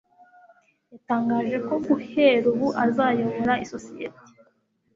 Yatangaje ko guhera ubu azayobora isosiyete